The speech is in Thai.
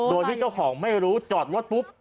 โดยที่เจ้าของไม่รู้จอดรถปุ๊บ